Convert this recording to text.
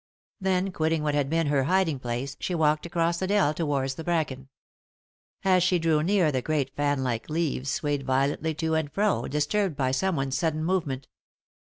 Then quitting what had been her hiding place, she walked across the dell towards the bracken. As she drew near the great fan like leaves swayed violently to and fro, disturbed by someone's sudden movement.